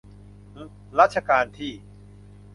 รัชกาลที่